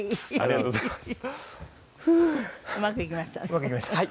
うまくいきましたね。